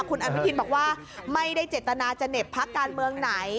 คุณอนุทินบอกว่าไม่ได้เจตนาจะเหน็บพักการเมืองไหน